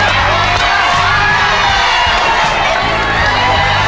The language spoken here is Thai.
เออไปแล้ว